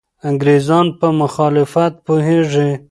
انګریزان په مخالفت پوهېږي.